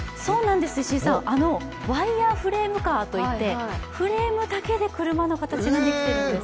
ワイヤーフレームカーといってフレームだけで車の形ができてるんです。